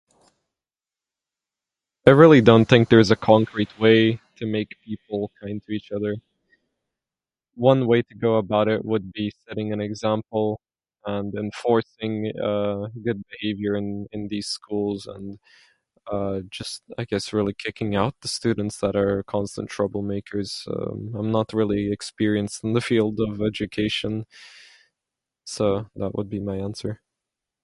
I really don't think there's a concrete way to make people kind to each other. One way to go about would be setting an example and then forcing, uh, good behavior in in these schools. And, uh, just I guess, really kicking out the students that are constant trouble makers. Um, I'm not really experienced in the field of education. So that would be my answer.